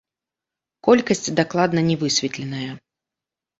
Колькасць дакладна не высветленая.